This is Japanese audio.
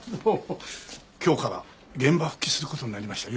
今日から現場復帰する事になりました。